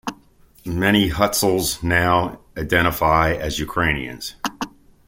Many Hutsuls now identify as Ukrainians.